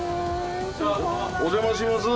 お邪魔します。